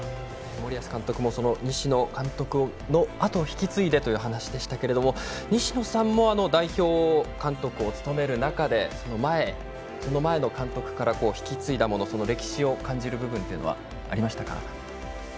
森保監督も西野監督のあとを引き継いでということでしたが西野さんも代表監督を務める中でその前の監督から引き継いだもの歴史を感じる部分はありましたか。